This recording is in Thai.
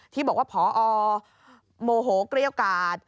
ที่บอกว่าพอโมโหเกรี้ยวกาด